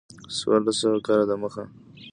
څوارلس سوه کاله د مخه.